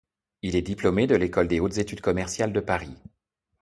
Il est diplômé de l'École des hautes études commerciales de Paris.